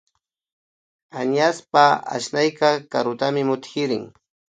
Añashpa asnayka karutami mutkirin